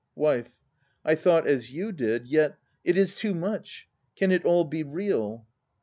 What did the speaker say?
WIFE. I thought as you did, yet ... It is too much! Can it all be real?